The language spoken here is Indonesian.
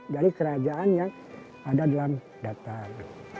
jadi kerajaan yang ada dalam datar